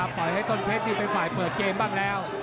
อาวิทยาปล่อยให้ต้นเพชรไปฝ่ายเปิดเกมบ้างแล้ว